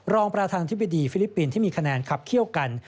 รองประธานธิบดีฟิลิปปินส์ที่มีคะแนนขับเคี่ยวกัน